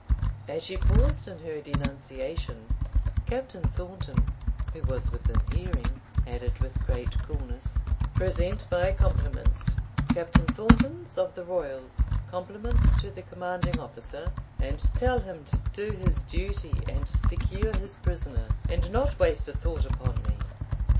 As she paused in her denunciation, Captain Thornton, who was within hearing, added, with great coolness, "Present my compliments Captain Thornton's of the Royals, compliments to the commanding officer, and tell him to do his duty and secure his prisoner, and not waste a thought upon me.